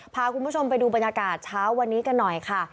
พาคุณผู้ชมไปดูบรรยากาศเช้าวันนี้กันหน่อยค่ะ